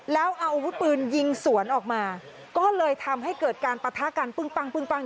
แล้วเอาอาวุธปืนยิงสวนออกมาก็เลยทำให้เกิดการประทาการปึ้งปัง